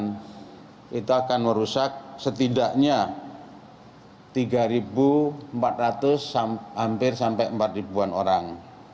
dan itu akan merusak setidaknya tiga empat ratus hampir sampai empat orang